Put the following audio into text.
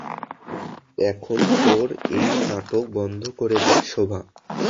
এখন তোর এই নাটক বন্ধ করে দে, শোভা।